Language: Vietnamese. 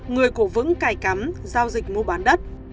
người cổ vững cài cắm giao dịch mua bán đất